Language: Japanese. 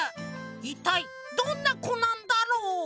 いったいどんなこなんだろう？